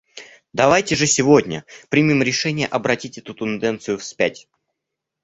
Давайте же сегодня примем решение обратить эту тенденцию вспять.